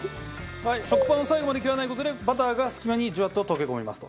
食パンを最後まで切らない事でバターが隙間にジュワッと溶け込みますと。